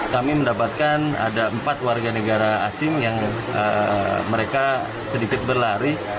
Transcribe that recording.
kami mendapatkan ada empat warga negara asing yang mereka sedikit berlari